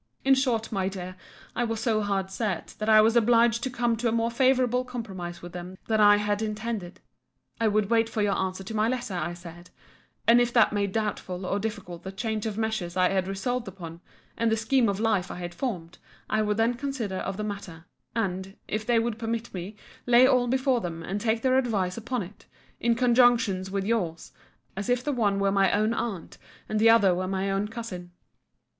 In short, my dear, I was so hard set, that I was obliged to come to a more favourable compromise with them than I had intended. I would wait for your answer to my letter, I said: and if that made doubtful or difficult the change of measures I had resolved upon, and the scheme of life I had formed, I would then consider of the matter; and, if they would permit me, lay all before them, and take their advice upon it, in conjunction with your's, as if the one were my own aunt, and the other were my own cousin.